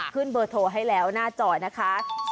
ขึ้นเบอร์โทรให้แล้วหน้าจ่อยนะคะ๐๖๔๐๒๙๑๘๐๘